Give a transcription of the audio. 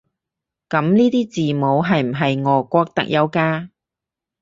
噉呢啲字母係唔係俄國特有㗎？